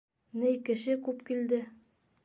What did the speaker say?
Ней кеше күп килде.